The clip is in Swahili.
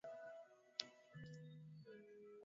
weka ganda la limao